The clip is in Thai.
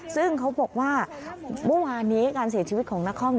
ซึ่งเขาบอกว่าเมื่อวานนี้การเสียชีวิตของนคร